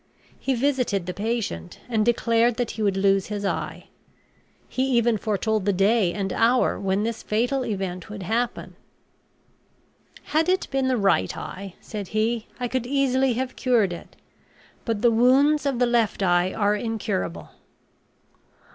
He visited the patient and declared that he would lose his eye. He even foretold the day and hour when this fatal event would happen. "Had it been the right eye," said he, "I could easily have cured it; but the wounds of the left eye are incurable."